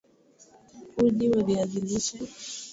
Uji wa viazi lishe